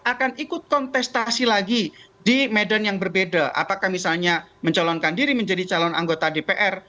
akan ikut kontestasi lagi di medan yang berbeda apakah misalnya mencalonkan diri menjadi calon anggota dpr